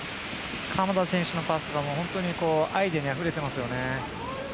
鎌田選手のパスがアイデアにあふれていますよね。